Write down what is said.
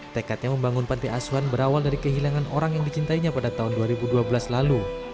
tekadnya membangun panti asuhan berawal dari kehilangan orang yang dicintainya pada tahun dua ribu dua belas lalu